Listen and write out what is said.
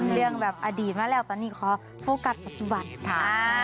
เรื่องแบบอดีตมาแล้วตอนนี้ขอโฟกัสปัจจุบันค่ะ